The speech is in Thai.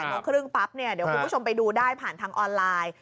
เดี๋ยวคุณผู้ชมไปดูได้ผ่านทางออนไลน์